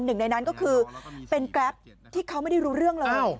หนึ่งในนั้นก็คือเป็นแกรปที่เขาไม่ได้รู้เรื่องเลย